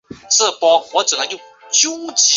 埃利早年在巴西的格雷米奥接受青训。